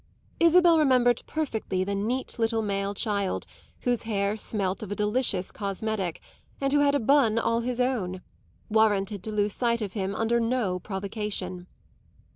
Isabel remembered perfectly the neat little male child whose hair smelt of a delicious cosmetic and who had a bonne all his own, warranted to lose sight of him under no provocation.